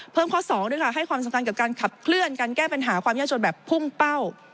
ข้อ๒ด้วยค่ะให้ความสำคัญกับการขับเคลื่อนการแก้ปัญหาความยากจนแบบพุ่งเป้า